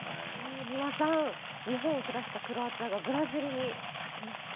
三輪さん、日本を下したクロアチアがブラジルに勝ちました。